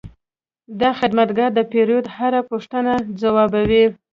دا خدمتګر د پیرود هره پوښتنه ځوابوي.